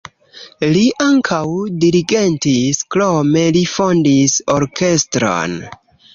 Li ankaŭ dirigentis, krome li fondis orkestron.